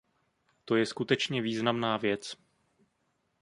To je skutečně významná věc.